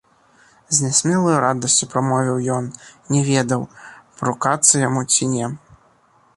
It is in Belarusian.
— з нясмелаю радасцяй прамовіў ён; не ведаў, парукацца яму ці не.